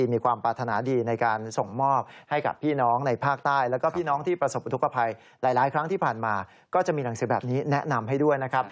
มีความปรารถนาดีในการส่งมอบให้กับพี่น้องในภาคใต้แล้วก็พี่น้องที่ประสบอุทธกภัยหลายครั้งที่ผ่านมาก็จะมีหนังสือแบบนี้แนะนำให้ด้วยนะครับ